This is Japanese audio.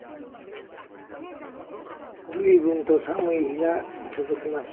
「ずいぶんと寒い日が続きます。